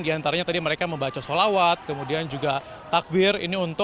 di antaranya tadi mereka membaca sholawat kemudian juga takbir